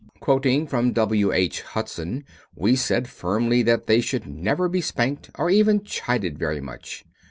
Quoting from W. H. Hudson, we said firmly that they should never be spanked or even chided very much.